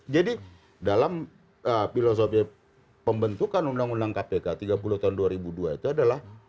jadi dalam filosofi pembentukan undang undang kpk tiga puluh tahun dua ribu dua itu adalah